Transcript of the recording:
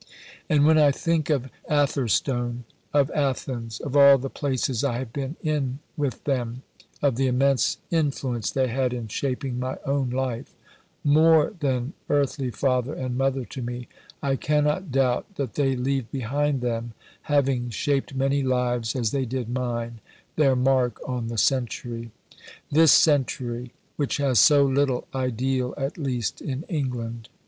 And when I think of Atherstone, of Athens, of all the places I have been in with them, of the immense influence they had in shaping my own life more than earthly father and mother to me I cannot doubt that they leave behind them, having shaped many lives as they did mine, their mark on the century this century which has so little ideal at least in England.